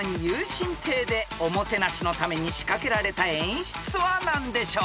心亭でおもてなしのために仕掛けられた演出は何でしょう？］